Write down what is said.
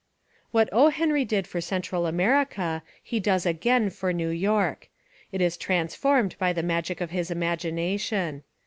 What O. Henry did for Central America he does again for New York. It is trans formed by the magic of his imagination.